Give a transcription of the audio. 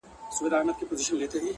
ته دې هره ورځ و هيلو ته رسېږې’